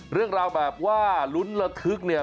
เรื่องราวแบบว่าลุ้นระทึกเนี่ย